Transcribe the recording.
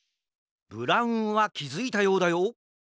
ブラウンはきづいたようだよ。